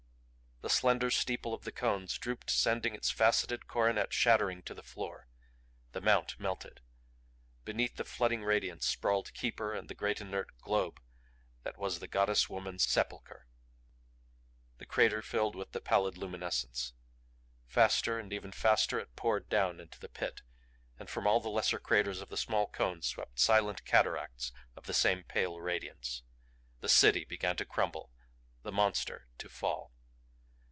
The slender steeple of the cones drooped sending its faceted coronet shattering to the floor. The Mount melted. Beneath the flooding radiance sprawled Keeper and the great inert Globe that was the Goddess woman's sepulcher. The crater filled with the pallid luminescence. Faster and ever faster it poured down into the Pit. And from all the lesser craters of the smaller cones swept silent cataracts of the same pale radiance. The City began to crumble the Monster to fall.